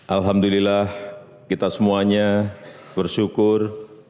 alhamdulillah kita semuanya bersyukur